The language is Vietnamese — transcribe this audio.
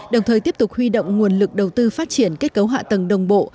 đồng thời tiếp tục huy động nguồn lực đầu tư phát triển kết cấu hạ tầng đồng bộ